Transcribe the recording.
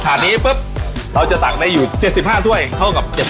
ถาดนี้ปุ๊บเราจะตักได้อยู่เจ็ดสิบห้าถ้วยเข้ากับเจ็บ